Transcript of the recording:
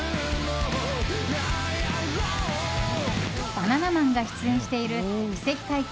バナナマンが出演している「奇跡体験！